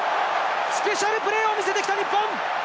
スペシャルプレーを見せてきた、日本！